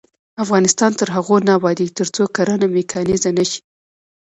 افغانستان تر هغو نه ابادیږي، ترڅو کرنه میکانیزه نشي.